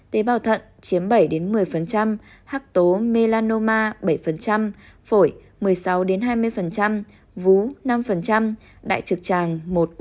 tế bào thận chiếm bảy một mươi hắc tố melanoma bảy phổi một mươi sáu hai mươi vú năm đại trực tràng một mươi